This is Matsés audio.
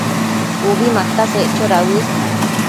Ubi mataseccho dauës